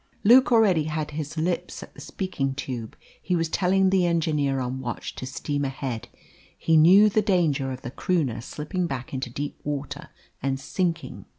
Luke already had his lips at the speaking tube. He was telling the engineer on watch to steam ahead; he knew the danger of the Croonah slipping back into deep water and sinking.